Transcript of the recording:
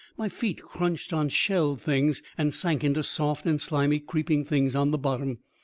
My feet crunched on shelled things, and sank into soft and slimy creeping things on the bottom.